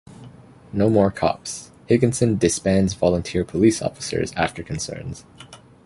No more cops: Higginson disbands volunteer police officers after concerns.